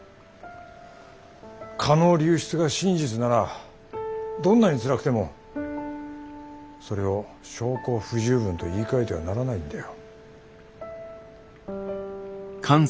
蚊の流出が真実ならどんなにつらくてもそれを証拠不十分と言いかえてはならないんだよ。